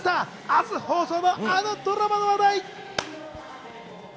明日放送のあのドラマの話題。